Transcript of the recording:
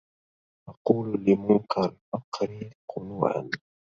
أقول لمنكر فقري قنوعا